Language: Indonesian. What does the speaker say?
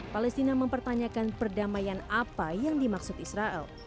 palestina mempertanyakan perdamaian apa yang dimaksud israel